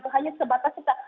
hanya sebatas itu